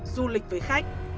du lịch với khách